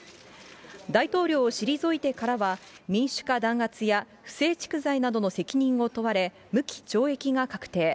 大統領を退いてからは、民主化弾圧や不正蓄財などの責任を問われ、無期懲役が確定。